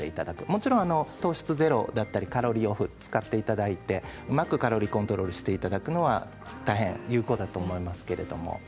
もちろん糖質ゼロだったりカロリーオフを使っていただいてうまくカロリーコントロールをしていただくということは大変に有効だと思います。